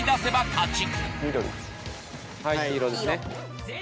はい黄色ですね。